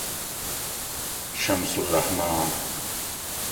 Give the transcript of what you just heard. شمس الرحمن